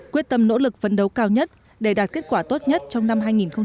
quyết tâm nỗ lực phấn đấu cao nhất để đạt kết quả tốt nhất trong năm hai nghìn hai mươi